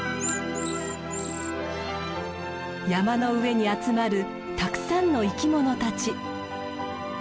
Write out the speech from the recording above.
山の上に集まるたくさんの生きものたち。